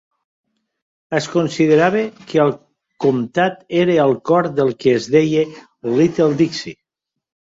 Es considerava que el comtat era al cor del que es deia Little Dixie.